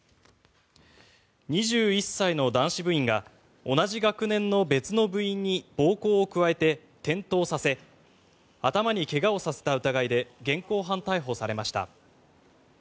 ２１歳の男子部員が同じ学年の別の部員に暴行を加えて転倒させ頭に怪我をさせた疑いで現行犯逮捕されました。